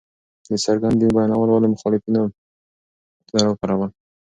د څرګند دين بيانول ولې مخالفتونه راپاروي!؟